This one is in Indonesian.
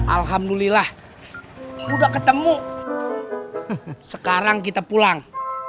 alhamdulillah sudah ketemu sekarang kita pulang